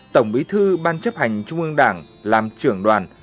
tổng bí thư ban chấp hành trung ương đảng làm trưởng đoàn